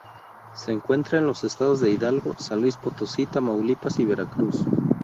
Se encuentra en los estados de Hidalgo, San Luis Potosí, Tamaulipas y Veracruz.